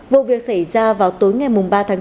vụ việc xảy ra vào tối ngày ba tháng bốn